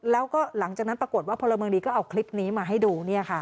แล้วก็หลังจากนั้นปรากฏว่าพลเมืองดีก็เอาคลิปนี้มาให้ดู